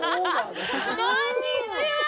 こんにちは。